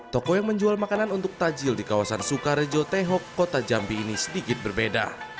toko yang menjual makanan untuk tajil di kawasan sukarejo tehok kota jambi ini sedikit berbeda